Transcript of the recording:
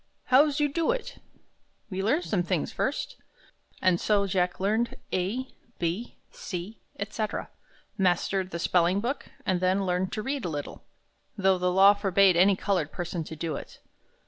"How's you do it?" "We learn those things first." And so Jack learned A, B, C, etc., mastered the spelling book, and then learned to read a little, though the law forbade any colored person to do it.